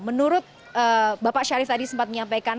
menurut bapak syarif tadi sempat menyampaikan